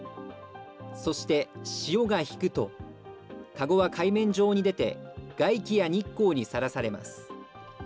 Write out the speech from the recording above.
そして潮が引くと、かごは海面上に出て、外気や日光にさらされます。